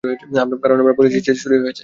কারণ আমরা বলেছি যে, চুরি হয়েছে।